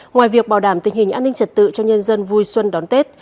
ngoài việc bảo đảm tình hình an ninh trật tự cho nhân dân vui xuân đón tết